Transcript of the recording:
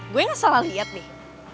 gue gak salah lihat nih